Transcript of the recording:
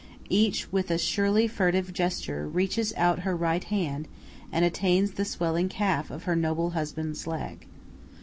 Each, with a surely furtive gesture, reaches out her right hand, and attains the swelling calf of her noble husband's leg.